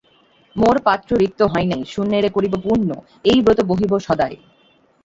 মোর পাত্র রিক্ত হয় নাই-- শূন্যেরে করিব পূর্ণ, এই ব্রত বহিব সদাই।